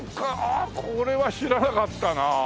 これは知らなかったな。